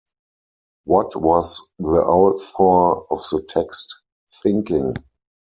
What was the author of the text thinking?